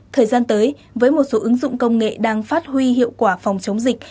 thời gian tới với một số ứng dụng công nghệ đang phát huy hiệu quả phòng chống dịch